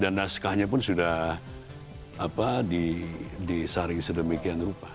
dan naskahnya pun sudah disaring sedemikian rupa